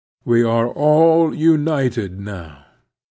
We are all united now.